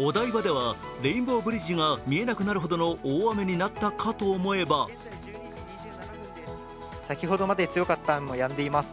お台場ではレインボーブリッジが見えなくなるほどの大雨になったかと思えば先ほどまで強かった雨もやんでいます。